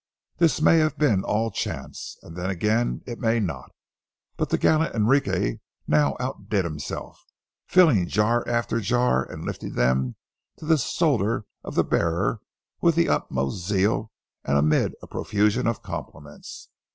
This may have been all chance—and then again it may not. But the gallant Enrique now outdid himself, filling jar after jar and lifting them to the shoulder of the bearer with the utmost zeal and amid a profusion of compliments.